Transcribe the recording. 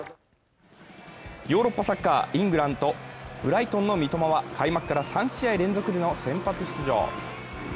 ヨーロッパサッカー、イングランド・ブライトンの三笘は開幕から３試合連続での先発出場。